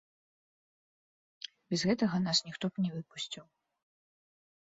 Без гэтага нас ніхто б не выпусціў.